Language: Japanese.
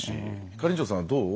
ひかりんちょさんどう？